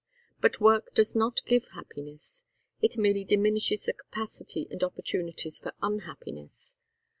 But work does not give happiness; it merely diminishes the capacity and opportunities for unhappiness.